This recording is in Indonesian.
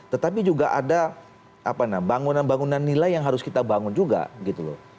tetapi juga ada bangunan bangunan nilai yang harus kita bangun juga gitu loh